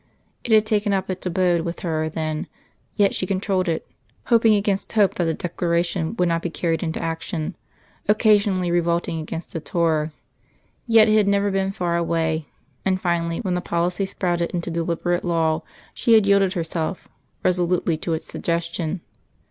It had taken up its abode with her then, yet she controlled it, hoping against hope that the Declaration would not be carried into action, occasionally revolting against its horror. Yet it had never been far away; and finally when the policy sprouted into deliberate law, she had yielded herself resolutely to its suggestion.